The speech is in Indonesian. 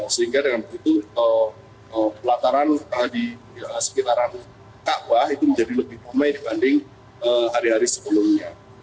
sehingga dengan begitu pelataran di sekitaran ka'bah itu menjadi lebih pomai dibanding hari hari sebelumnya